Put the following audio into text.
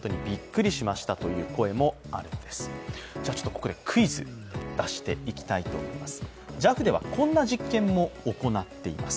ここでクイズ出していきたいと思います。